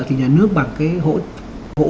thì nhà nước bằng cái hỗ